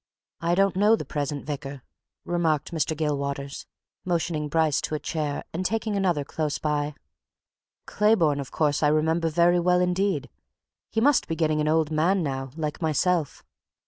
"I don't know the present vicar," remarked Mr. Gilwaters, motioning Bryce to a chair, and taking another close by. "Clayborne, of course, I remember very well indeed he must be getting an old man now like myself!